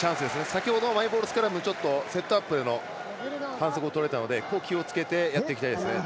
先ほどマイボールスクラムセットアップの反則をとられたのでここを気をつけてやっていきたいですね。